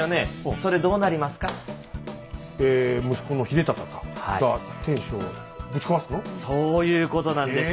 そういうことなんです。